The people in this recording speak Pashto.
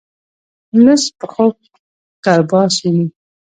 لڅ په خوب کرباس ويني.